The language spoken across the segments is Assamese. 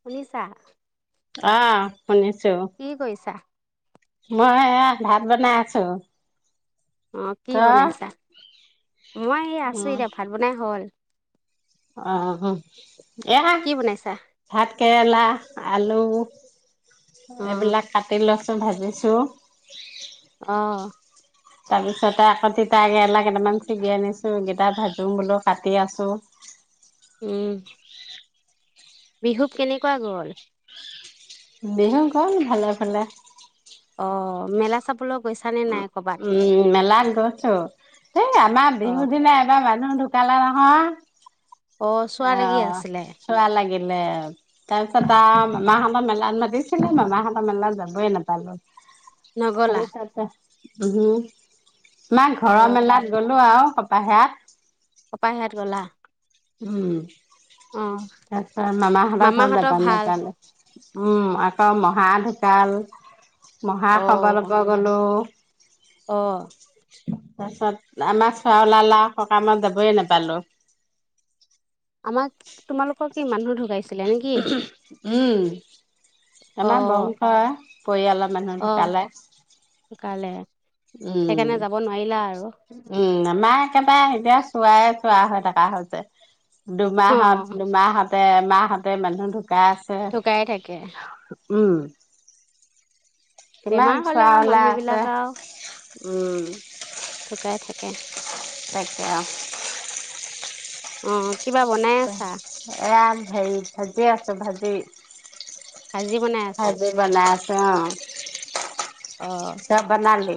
শুনিছা অহ কি কৰিছা মই এয়া ভাত বনাই আছো অ কি বনাইছা তই মই আছো এতিয়া ভাত বনাই হ'ল অহ এয়া কি বনাইছা ভাত কেৰেলা আলু অ এইবিলাক কাটিলো ভাজিছো অ তাৰ পিছতে আকৌ তিতা কেৰেেলা কেইটামান ছেগি আনিছো কেইটা ভাজো বোলো কাটি আছো উম বিহু কেনেকুৱা গল বিহু গ'ল ভালে ভালে অ মেলা চাবলক উম মেলাত গৈছো সেই আমাৰ অ বিহু দিনা এবাৰ মানুহ দুখ পেলা চোৱা নহয় অ লাগি আছিলে চোৱালাগি তাৰপিছত এটা মামাহঁতৰ মেলাত মাতিছিলে মামাহঁতৰ মেলাত যাবই নাপালো নগলা হয় তাতে বহু মাক অ ঘৰৰ মেলাত গ'লো আৰু বাহিৰাত অপায় হাত গলা উম অ তাৰপিছত মামাহঁতৰ ঘৰত গম নাপালো উম আকৌ মহা ঢোকাল অ মহাাসব ল'প গলো অ [inaudible] তাৰ পাছত আমাৰ চোৱা ওলালা সকামত যাবই নাপালো আমাক তোমালোকৰ কি মানুহ ঢোকাইছে গলে নেকি উঁম অ আমাৰ বংশ পৰিয়ালৰ মানুহ অ ঢুকালে ঢুকালে উম সেইকাৰণে যাব নোৱাৰিলা আৰু উম আমাৰ একেবাৰে এতিয়া চোৱাই চোৱা হৈ থকা হৈছে অ দুুমাহত দুুমাহত সিহতে মাহঁতে মানুহ ঢুকাই আছে ঢুকাইয়ে থাকে উম কিমান বেমাৰ হ'লে চোৱা আৰু হলা আছে মানুহবিলাক আৰু উম ঢুকাই থাকে তাকে অ অ কিবা বনাই আছা আৰাম ভেৰি ভাজিয়ে আছোঁ ভাজি ভাজি বনাই আছা অঁ অ' তই বনালি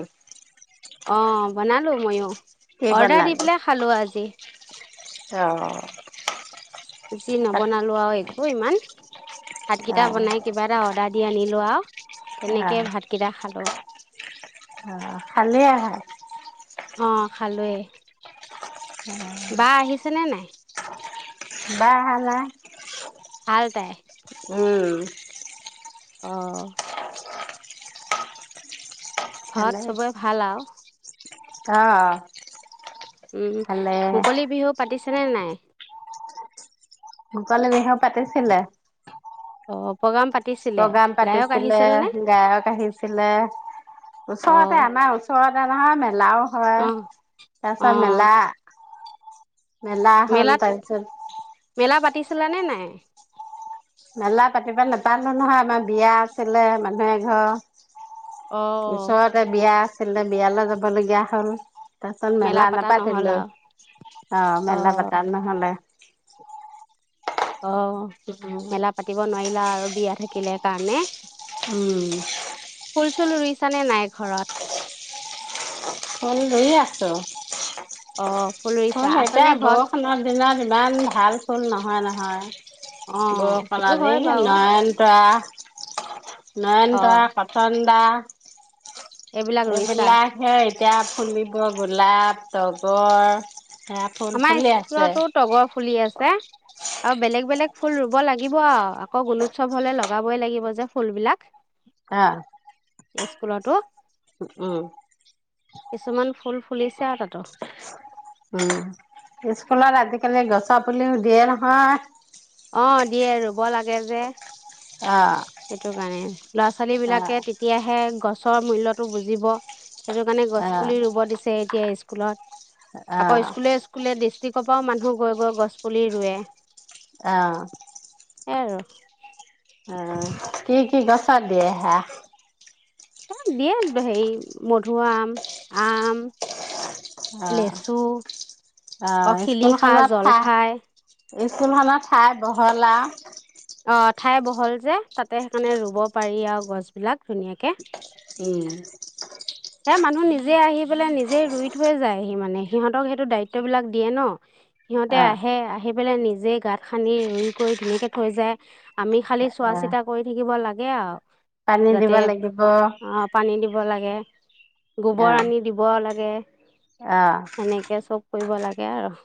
অ বনালো মইয়ো কি অৰ্ডাৰ দি বনালি পেলাই খালোঁ আজি অ [unintelligible] বেছি তাত নবনালো আৰু এক অ ইমান অ ভাতকেইটা বনাই কিবা এটা অৰ্ডাৰ দি আনি লোৱা আৰু অ তেনেকে ভাতকেইটা খালো অ খালি আহা। অ খালোৱৱে উম বা আহিছে নে নাই? বাহ আহা নাই ভাল তাই উম [unintelligible] আহ ঘৰত চবে ভাল আৰু আহ উম মুকলি বিহু পাতিছে নে নাই মুকলি বিহু পাতিছিলে অ প্ৰগ্ৰাম পাতিছিলে প্ৰগ্ৰাম গায়ক পাতিছিলে আহিছিলনে গায়ক আহিছিলে ওচৰতে অ' আমাৰ ওচৰতে অ ম মেলাও হয় অ' তাৰপিছত অ' মেলা মেলা হল মেলাত তাৰছৰত মেলা পাতিছিলা নে নাই মেলা পাতিব নাপালো নহয় আমাৰ বিয়া আছিলে মানুহে ঘৰ অ' ওচৰতে বিয়া আ বিয়ালৈ যাবলগীয়া হ'ল তাৰপছত মেলা পাতা নহ'ল নাপাতিলো আৰু অ মেলা পতা নহলে অ মেলা পাতিব নোৱাৰিলা আৰু বিয়া থাক কিলে কাৰণে উম চল ৰুইছানে নাই ঘৰত ফল ধইে আছো অ ফুল ৰুইছা হল আছানে এতিয়া ঘৰত বৰষুণৰ দিনত ইমান ভাল ফল নহয় অ নহয় বৰ সেইটো কলাজি, হয় বাৰু নয়নতৰা [unintelligible] অ নয়নত কটন বা এইবিলাক ৰুইছা এইবিলাকে এতিয়া ফুলিব গোলাপ তগৰ সেয়া ফুল আমাৰ ফুলি আছে। স্কুলতো তগৰ ফুলি আছে আৰু বেলেগ বেলেগ ফুল ৰুব লাগে দিব আৰু গুণোৎসৱ হলে লগাব লাগিব যে ফুলবলাক আহ স্কুলতো কিছুমান ফুল ফুলিছে আৰু তাতো উম। স্কুলত আজিকালি গছ পুলিও দিয়ে নহয় অ দিয়ে বল লে যে অ', সেইটো কাৰণে ল'ৰা ছোৱালী বিলাকে অ', তেতিয়াহে গছ চৰ মূল্যতটো বুজিব সেইটো কাৰণে গছ পুলি ৰুব দিছে এতিয়া স্কুলত আকৌ স্কুলে স্কুলে ৰাতি কপাও মানুহ গৈ গৈ গছ পুলি ৰুৱে আহ স আৰু উ কি কি গছা দিয়ে আহে দিয়াত হেৰি মধুআম আম অ লেচু অ স্কুল শিলিখা খত থা জলফাই স্কুলখনৰ ঠাই বহলা কঠাই বহল যে তাতে সেইকাৰণে ৰুব পাৰি আৰু গছবিলাক ধুনীয়াকে উম এ মানুহ নিজে আহি পেলাই নিজেই ৰুই থৈ যায় সি মানে সিহঁতক সেইটো দায়িত্ব বিলাক দিয়ে ন সিহঁতে অ', আহে আহি পেলাই নিজে গাত খান্দি ৰুই কৰি ধুনীয়াকে থৈ যায় আমি খালি চোৱা অ', চিতা কৰি থাকিব লাগে আৰু পানী দিব যাতে লাগিব। আহ পানী দিব লাগে গোবৰ আনি দিব লাগে দিয়ে আহ কৰিব লাগে আৰু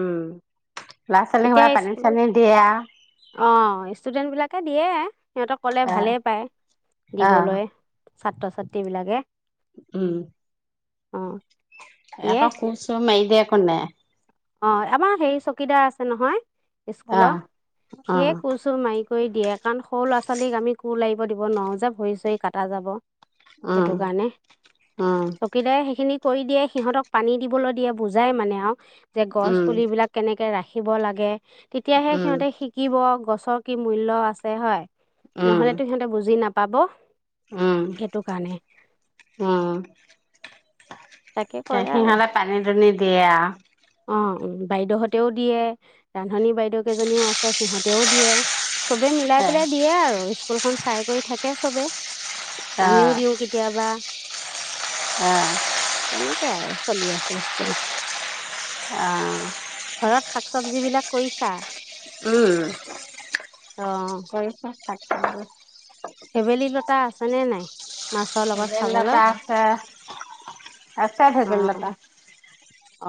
উম ল'ৰা ছোৱালীক হোৱা পানী চানী দিয়া অ ষ্টুডেন্ট বিলাকে দিয়ে সিহঁতক ক'লে অ', ভালেই পায় দিবলৈ উম ছাত্ৰ ছাত্ৰী বিলাকে উম দিয়ে এটা কোৰ চোৰ মাই দে হয় নে অ আমাৰ হে চকীদাৰ আছে নহয় স্কুলৰ আহ অ সিয়ে কৈছো মাইক কৰি দিয়ে কাৰণ সৰু ল'ৰা ছোৱালীক আমি কোৰ লাগিব দিব নোৱাৰো যে ভৰি চৰি কটা যাব সেইটো উম কাৰণে উম চকীদাৰে সেইখিনি কৰি দিয়ে সিহঁতক পানী দিবলৈ দিয়ে বুজাই মানে আৰু যে গছ উম পুলিবিলাক কেনেকে ৰাখি ৰাখিব লাগে তেতিয়াহে উম সিহঁতে শিকিব গছ চৰ কি মূল্য আছে হয় উম নহলেতো সিহঁতে বুজি নাপায় পাব উম উম তাকে গ কৰে আৰু সিহাললে পানী দুনি দিয়ে আৰু অ অ বাইদেউহঁতেও দিয়ে ৰান্ধনী বাইদেউ কেইজনীও আছে সিহঁতেও দিয়ে চবে মিলাই পেলাই অ দিয়ে আৰু স্কুলখন চাই কৰি থাকে চবে আমিও দিওঁ কেতিয়াবা উ তেনেকে আৰু চলি আছে স্কুল আহঁ ঘৰত শাক চব্জ বিলাক কৰিছা উম কৰি থাক অ ফেবেলিনত তাই আছে নে নাই মাছৰ লগত ভেবেল খাবলৈ লতা আছে আছে অ ভেবেল লতা অ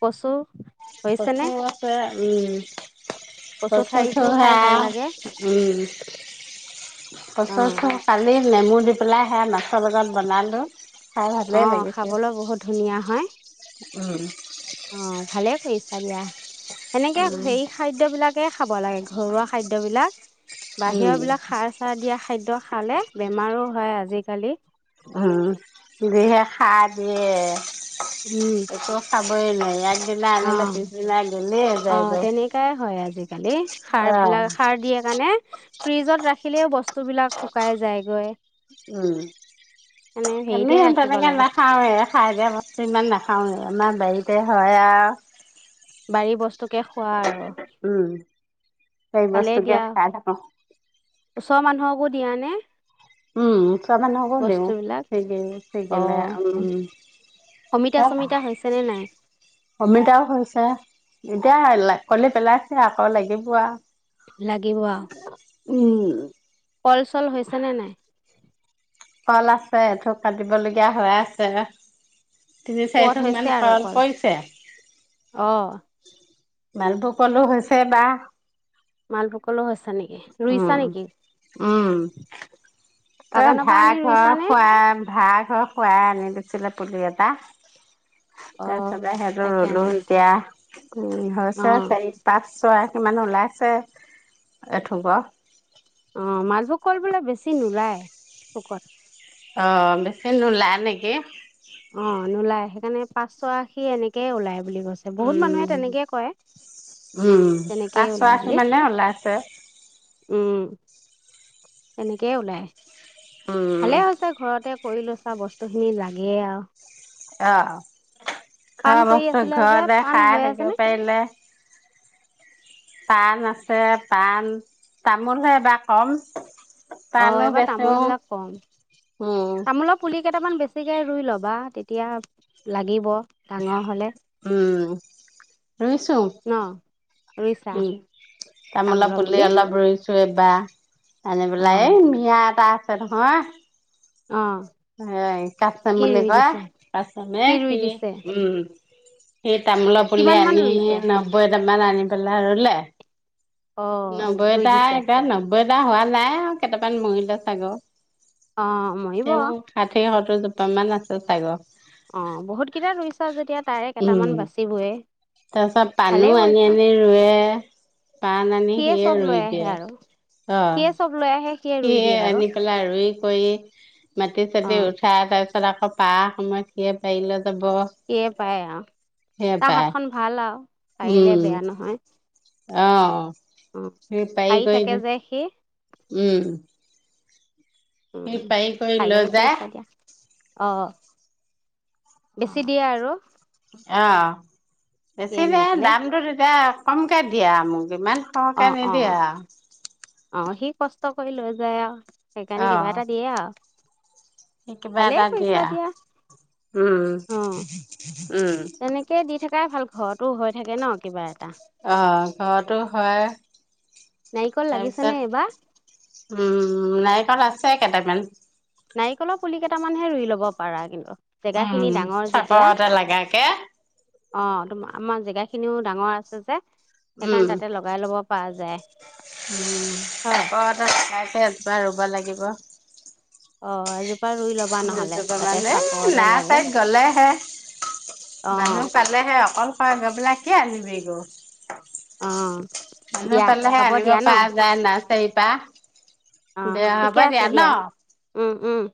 কচো প্ৰচৰ আছে উম কচু ঠাৰিটোও কচুঠোৰ হে খাই ভাল লাগে উম অ কচুঠোৰ খালি নেমু দি পেলাই সেয়া মাছৰ লগত বনালোঁ আহ খাবলৈ বহুত ধুনীয়া হয় উম আহ ভালে হৈ চাৰিয়া এনেকে উম সেই খাদ্যয়বলাকে খাব লাগে ঘৰুৱা খাদ্যবিলাক বাহিৰৰ উম বিলাক সাৰ চাৰ দিয়া খাদ্য খালে বেমাৰো হয় আজিকালি উম দিহে খাই দিয়ে উম এই খ ব লয় অ অ তেনেকাই হয় আজিকালি সাৰ অহ বিলাক সাৰ দিয়ে কাৰণে ফ্ৰিজত ৰাখিলেও বস্তু উম এনে হেৰিতে এনেই ৰাখিব তেনেকে লাগে নাখাওে খাই দিয়া বস্তু ইমান নাখাও আমাৰ বাৰীতে হয় আৰু বাৰী বস্তু কেে খোৱা আৰু উম সেই বস্তুকে খাই থাকো ওচৰ মানুহকো দিয়া নে উম তমানান হ'বলেও বস্তুবিলাক সেই স অ গলে উ অমিতা চমিতা হৈছেনে নাই কমিতাও হৈছে এতিয়া কি পেলাইছে আকৌ লাগিব আৰু লাগিব উম কল চল হৈছে নে নাই কল আছে এইটো কাটিবলগীয়া হৈ আছে তিনি চাৰি পুৱত থোক মান হৈছে আৰু কল পইছে অ মালভোগ কলো হৈছে না মালপকলো আছে উম উম ত বাগানৰ পৰা আনি ভাৰাঘৰ ৰুইছানে খোৱা ভাঁ ঘৰ সু এ আনি দিছিলে পুলি এটা অ তাৰফালেহে তাকে আনি ৰলো ৰুইছা এতিয়া উম অ হৈছে চাৰি পাঁচ ছয় ইমান নোলাইছে এঠুৱা অ মালভোগ কল বোলে বেছি নোলায় কুকত অ বেচি নোলায় নেকি অ নোলায় সেইকাৰণে পাঁচশ আশী এনেকে ওলাই বুলি কৈছে বহুত মানুহে উম তেনেকে কয় উম তেনেকেই ওলাই পাঁচৰাশ বুলি মানে ওলাইছে উম তেনেকেই ওলাই উম ভালে হৈছে ঘৰতে কৰি লচা বস্তু খিনি লাগে আৰু আহ পাণ ঘৰ কৰি মস্ত আছিলা যে ঘৰ পাণ হৈ দেখাই আছে থাকিব নে পাৰিলে পাণ আছে পাণ তামোলহে এবাৰ কম অ পাণো এইবাৰ বেচো তামোল বিলাক কম উম তামোলৰ পুলি কেইটামান বেছি ঠিকে ৰুই ল'বা তেতিয়া লাগিব ডাঙৰ হলে উম ৰুইছো ন ৰুইছা উম তামোলা পুলি অলপ ৰুইছো চয়ে বা আনে অ পেলাই এই মিয়া এটা তে নহয় অ হয় কাচাম সি বুলি ৰুই কোৱা দিছে কাচামে সি ৰুই কি দিছে উম সেই তামোল পুলি কিমান মান আনিলো ৰুইছে নবৈ মাল আনি পেলায় ৰুলে অ ৰুই নব্বৈটা দিছে এটা নব্বৈটা হোৱা নাই আৰু কেইটামান মৰিল টা চাগ অ মৰিব তেওঁ সাতেই সত হৈ যাব প্ৰমাণ আছে চাইগ অ বহুত কেইটা ৰুইছা যেতিয়া তাৰে উম কেইটামান বাচিবয়ে তাৰপিছত পাণো ভালে কৰিছা আনি-আনি ৰুৱে পাণ আনি সিয়ে চব লৈ ৰুই আহে দিয়ে আৰু অ'। সিয়ে চব লৈ আহে ৰুই সিয়ে দিয়ে আৰু আনি পেলাই ৰুই। অই মাটি অ চাতি উঠাই, তাৰপিচত। পিছত আকৌ পাৰা সময়ত সিয়ে পাৰিলে। সিয়ে পাৰে আৰু, সিয়ে তাৰ পায় হাতখন ভাল আৰু, পাৰিলে উম বেয়া নহয়। অ' অ সি পাৰি থাকে যে [unintelligible] সি উম। সি উম, পাৰি কৰি লৈ ভালেই যায় কৰিছা দিয়া। অ'। বেছি দিয়ে আৰু। অ'। বেছি সিয়ে নি নে পেলাই দামটো তেতিয়া। কমকে দিয়া মোক ইমান। অ সৰহকে অ নিদিয়া? অ', সি কষ্ট কৰি লৈ যায় আৰু। সেইকাৰণে কিবা এটা দিয়ে আৰু। সেই কিবা ভালেই এটা কৰিছা দিয়া। উম, অ উম। সেয়াই ভাল ঘৰতো হৈ থাকে ন' কিবা এটা। অ', ঘৰতো হয়। নাৰিকল লাগিছেনে তাৰপিছত, এইবাৰ উম, নাৰিকল আছে। কেইটামান। নাৰিকলৰ পুলি কেইটামানহে ৰুই লব পাৰা কিন্তু। জেগা উম, খিনি ডাঙৰ যেতিয়া চাপৰটা লাগাকে। অ', তুমা আমাৰ জেগা খিনিও ডাঙৰ আছে যে। সেইকাৰণে তাতে লগাই লব পৰা যায়। উম, হয় [inaudible] সে এবাৰ ৰুব লাগিব। অ', আজি। দুজোপামান এই না লাগে তাই গলেহে, অ মানুহ পালেহে, অকল। তই গৈ পেলাই কি আনিবি অ [unintelligible] মানুহ দিয়া পালেহে হ'ব আনিব দিয়া ন পৰা যায় নাৰ্চাৰী পা। অ দিয়া, ঠিকে আছে হবদিয়া দিয়া ন'। উম উম